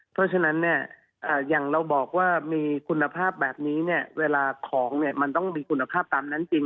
เพราะฉะนั้นเนี่ยอย่างเราบอกว่ามีคุณภาพแบบนี้เนี่ยเวลาของเนี่ยมันต้องมีคุณภาพตามนั้นจริง